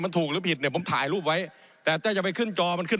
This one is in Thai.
ผมอภิปรายเรื่องการขยายสมภาษณ์รถไฟฟ้าสายสีเขียวนะครับ